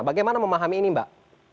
bagaimana memahami ini mbak